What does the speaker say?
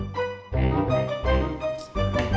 kg itu artinya kesel